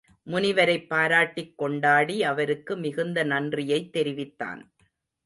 முனிவரைப் பாராட்டிக் கொண்டாடி அவருக்கு மிகுந்த நன்றியைத் தெரிவித்தான்.